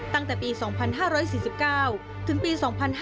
ตั้งแต่ปี๒๕๔๙ถึงปี๒๕๕๙